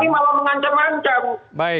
bukan malah mengapresiasi